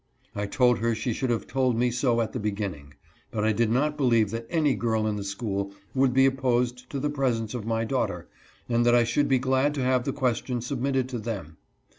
I told her she should have told me so at the beginning, but I did not believe that any girl in the school would be opposed to the presence of my daughter, and that I should be glad to have the question submitted to them.